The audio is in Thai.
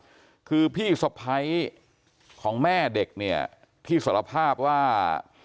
ทุกผู้ชมครับคือพี่ศพภัยของแม่เด็กเนี่ยที่สอบภาพว่า